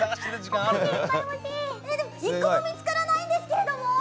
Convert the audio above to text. １個も見つからないんですけども。